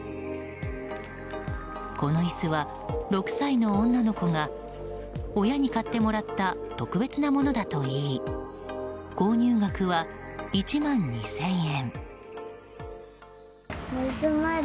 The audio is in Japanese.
この椅子は６歳の女の子が親に買ってもらった特別なものだと言い購入額は１万２０００円。